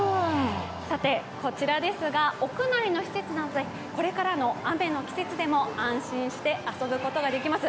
さて、こちらですが屋内の施設なのでこｒからの雨の季節でも安心して遊ぶことができます。